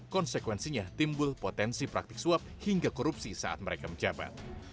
konsekuensinya timbul potensi praktik suap hingga korupsi saat mereka menjabat